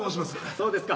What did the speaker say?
そうですか。